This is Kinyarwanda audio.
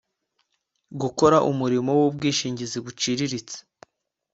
gukora umurimo w ubwishingizi buciriritse